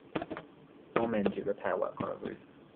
Four men do repair work on a roof.